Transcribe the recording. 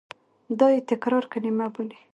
دا یې تکراري کلیمه بولو.